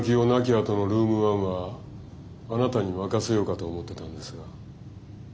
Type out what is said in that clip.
あとのルーム１はあなたに任せようかと思ってたんですが。